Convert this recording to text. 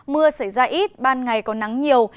mưa sẽ ra ít ban ngày có nắng nhiều